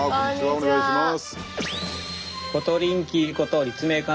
お願いします。